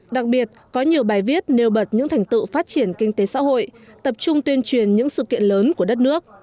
đặc biệt có nhiều bài viết nêu bật những thành tựu phát triển kinh tế xã hội tập trung tuyên truyền những sự kiện lớn của đất nước